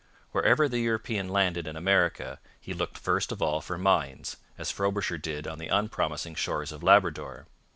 Wherever the European landed in America he looked first of all for mines, as Frobisher did on the unpromising shores of Labrador.